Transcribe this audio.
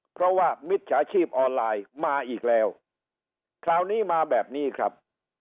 เพราะว่ามิจฉาชีพออนไลน์มาอีกแล้วคราวนี้มาแบบนี้ครับ